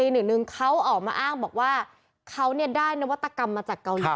หนึ่งเขาออกมาอ้างบอกว่าเขาได้นวัตกรรมมาจากเกาหลี